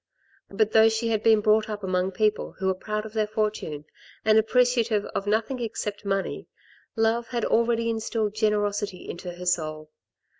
But though she had been brought up among people who are proud of their fortune and appreciative of nothing except money, love had already instilled generosity into her soul.